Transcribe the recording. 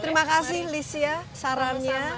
terima kasih licia sarannya